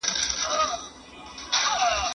د محصلانو د بريا سبب څه شي بلل سوی دئ؟